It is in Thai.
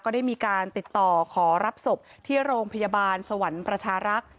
ได้มีการติดต่อขอรับศพที่โรงพยาบาลสวรรค์ประชารักษ์